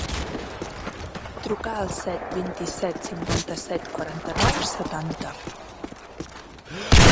Truca al set, vint-i-set, cinquanta-set, quaranta-nou, setanta.